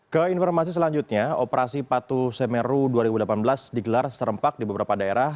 ke informasi selanjutnya operasi patu semeru dua ribu delapan belas digelar serempak di beberapa daerah